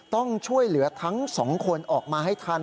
ต้องช่วยเหลือทั้งสองคนออกมาให้ทัน